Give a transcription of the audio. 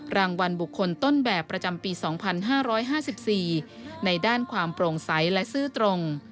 รางวัลบุคคลต้นแบบประจำปี๒๕๕๔ในด้านความโปร่งใสและซื่อตรง